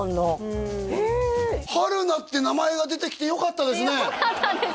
うん春菜って名前が出てきてよかったですねよかったです